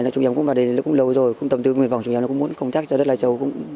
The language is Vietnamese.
trung nhâm cũng vào đây cũng lâu rồi cũng tầm tư nguyện vọng trung nhâm nó cũng muốn công tác cho đất lai châu